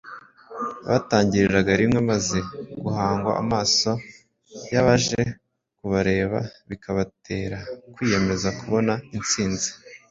batangiriraga rimwe maze guhangwa amaso y’abaje kubareba bikabatera kwiyemeza kubona insinzi.